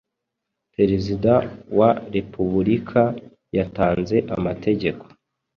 Perezida wa repubulika yatanze amategeko